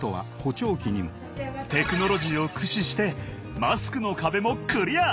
テクノロジーを駆使してマスクの壁もクリア！